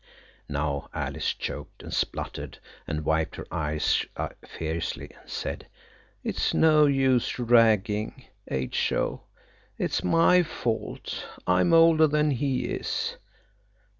Now Alice choked and spluttered, and wiped her eyes fiercely, and said, "It's no use ragging H.O. It's my fault. I'm older than he is."